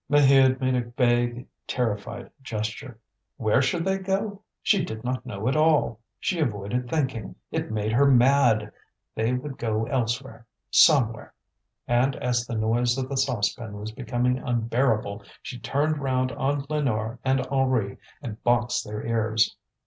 Maheude made a vague, terrified gesture. Where should they go to? She did not know at all; she avoided thinking, it made her mad. They would go elsewhere somewhere. And as the noise of the saucepan was becoming unbearable, she turned round on Lénore and Henri and boxed their ears.